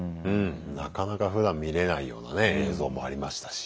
なかなかふだん見れないようなね映像もありましたし。